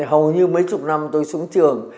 hầu như mấy chục năm tôi xuống trường